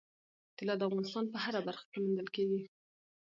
طلا د افغانستان په هره برخه کې موندل کېږي.